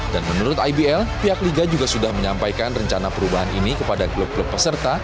dan menurut ibl pihak liga juga sudah menyampaikan rencana perubahan ini kepada klub klub peserta